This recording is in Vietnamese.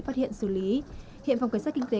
phát hiện xử lý hiện phòng cảnh sát kinh tế